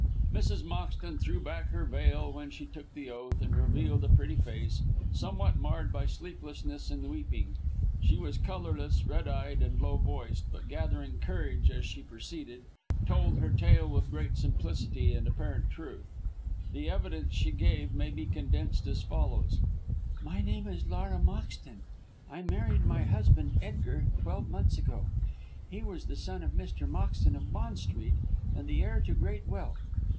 Mrs. Moxton threw back her veil when she took the oath, and revealed a pretty face, somewhat marred by sleeplessness and weeping. She was colourless, red eyed and low voiced, but gathering courage as she proceeded, told her tale with great simplicity and apparent truth. The evidence she gave may be condensed as follows: "My name is Laura Moxton. I married my husband, Edgar, twelve months ago. He was the son of Mr. Moxton, of Bond Street, and the heir to great wealth.